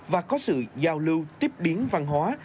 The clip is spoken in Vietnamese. và có sự giao lưu tiếp biến văn hóa